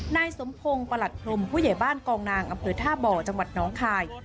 นายสมพงศ์ประหลัดพรมผู้ใหญ่บ้านกองนางอำเภอท่าบ่อจังหวัดน้องคาย